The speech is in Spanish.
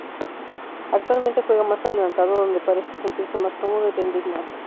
Actualmente juega más adelantado, donde parece sentirse más cómodo y rendir más.